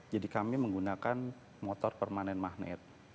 jadi kami menggunakan motor permanen magnet